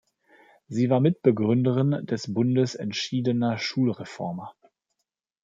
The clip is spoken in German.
Sie war Mitbegründerin des „Bundes Entschiedener Schulreformer“.